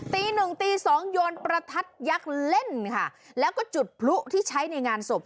ตีหนึ่งตีสองโยนประทัดยักษ์เล่นค่ะแล้วก็จุดพลุที่ใช้ในงานศพ